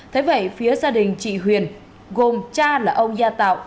thế vậy phía gia đình chị huyền gồm cha là ông gia tạo